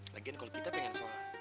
lagian kalau kita pengen sholat